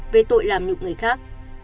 về tội làm nhục người khác